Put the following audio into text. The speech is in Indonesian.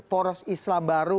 poros islam baru